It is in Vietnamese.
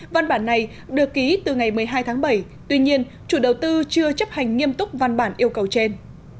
văn bản này được ký từ ngày một mươi hai tháng bảy tuy nhiên chủ đầu tư chưa chấp hành nghiêm túc văn bản yêu cầu trên